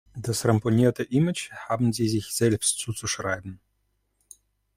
Das ramponierte Image haben sie sich selbst zuzuschreiben.